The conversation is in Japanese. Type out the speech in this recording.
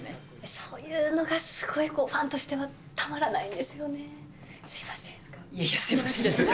そういうのがすごいファンとしてはたまらないんですよね。